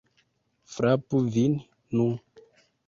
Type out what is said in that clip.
Frapu vin, nu!